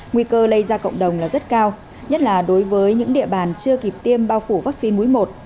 nguy cơ lây ra cộng đồng là rất cao nhất là đối với những địa bàn chưa kịp tiêm bao phủ vaccine mũi một